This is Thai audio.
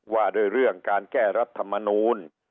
ว่าด้วยเรื่องการแก้รัฐมนูล